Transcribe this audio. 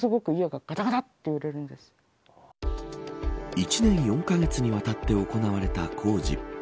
１年４カ月にわたって行われた工事。